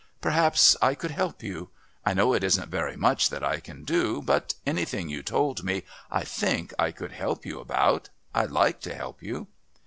Perhaps I could help you. I know it isn't very much that I can do, but anything you told me I think I could help you about.... I'd like to help you."